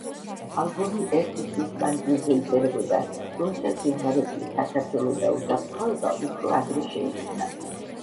ალბომი ერთი წლის მანძილზე იწერებოდა, თუმცა სიმღერები „საქართველო“ და „უსაფრთხოება“ უფრო ადრე შეიქმნა.